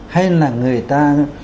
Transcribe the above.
hay là người ta